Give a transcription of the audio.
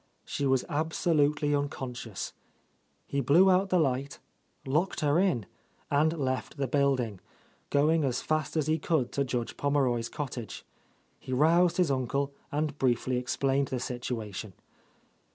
She was absolutely uncon scious. He blew out the light, locked her in, and left the building, going as fast as he could to Judge Pommeroy's cottage. He roused his uncle and briefly explained the situation.